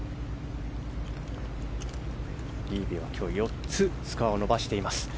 リービーは今日４つスコアを伸ばしています。